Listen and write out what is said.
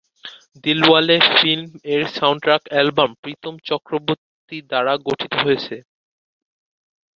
Dilwale film এর soundtrack album, Pritam Chakraborty দ্বারা গঠিত হয়েছে।